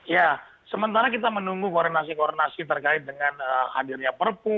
ya sementara kita menunggu koordinasi koordinasi terkait dengan hadirnya perpu